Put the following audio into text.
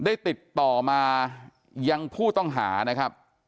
ได้ติดต่อมายังผู้ต้องหานะครับ